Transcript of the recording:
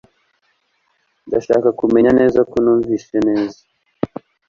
ndashaka kumenya neza ko numvise neza